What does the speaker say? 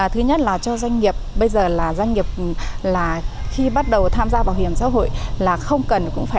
thứ nhất là cho doanh nghiệp bây giờ là doanh nghiệp là khi bắt đầu tham gia bảo hiểm xã hội là không cần phải